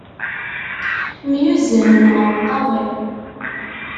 Myuzzamen ɣer lqaḍi.